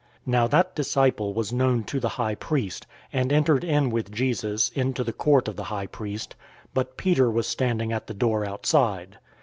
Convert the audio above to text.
Now that disciple was known to the high priest, and entered in with Jesus into the court of the high priest; 018:016 but Peter was standing at the door outside.